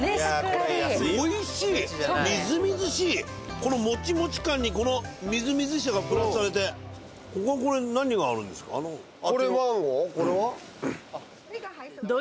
おいしいみずみずしいこのもちもち感にこのみずみずしさがプラスされてここはこれマンゴーこれは？